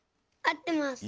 あってます。